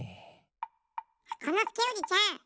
箱のすけおじちゃん！